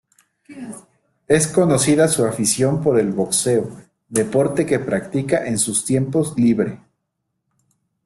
Es conocida su afición por el boxeo, deporte que practica en sus tiempos libre.